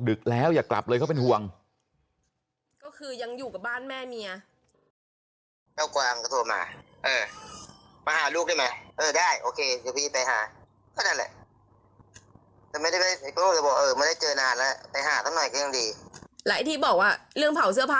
แถมว่าตอนนี้ังถึงติดแล้วยากลับเลยเขาเป็นหวัง